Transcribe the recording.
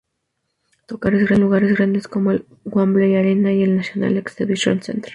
Tocaron en lugares grandes como el Wembley Arena y el National Exhibition Centre.